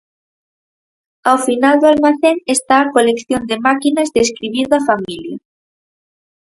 Ao final do almacén está a colección de máquinas de escribir da familia.